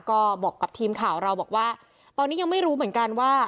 ก็บอกกับทีมข่าวเราบอกว่าตอนนี้ยังไม่รู้เหมือนกันว่า